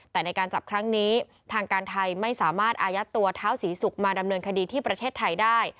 แต่ในการจับครั้งนี้ทางการไทยไม่สามารถอายัดตัวเท้าศรีศุกร์มาดำเนินคดีที่ประเทศไทยได้